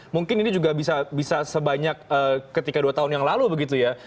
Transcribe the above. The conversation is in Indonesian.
mungkin ini juga bisa sebanyak ketika dua tahun yang lalu begitu ya